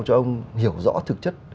cho ông hiểu rõ thực chất